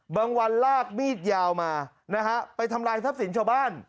วันลากมีดยาวมานะฮะไปทำลายทรัพย์สินชาวบ้าน